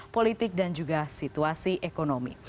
politik dan juga situasi ekonomi